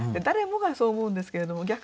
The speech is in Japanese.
誰もがそう思うんですけれども。